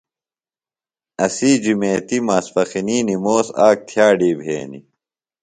اسی جُمیتیۡ ماسپخنی نِموس آک تھئاڈی بھینیۡ۔